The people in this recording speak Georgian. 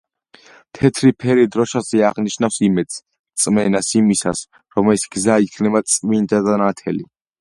თეთრი ფერი დროშაზე აღნიშნავს იმედს, რწმენას იმისას, რომ ეს გზა იქნება წმინდა და ნათელი.